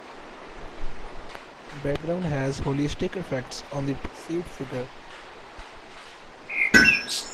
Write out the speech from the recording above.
Background has holistic effects on the perceived figure.